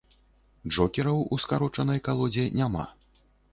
Джокераў ў скарочанай калодзе няма.